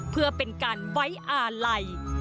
เพื่อเป็นการไว้อาลัย